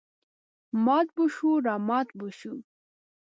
مات به شوو رامات به شوو.